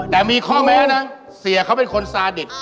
แต่มีข้อแม้นะเสียเขาเป็นคนซาดิต